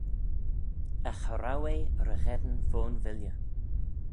Agh cha row eh ry-gheddyn fo'n villey.